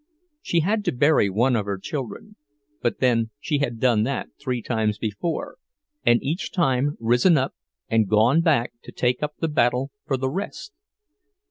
She had to bury one of her children—but then she had done it three times before, and each time risen up and gone back to take up the battle for the rest.